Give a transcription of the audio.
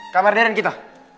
kamar deren kita